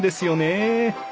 え